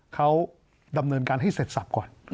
เขาดำเนินการให้เสร็จสับก่อน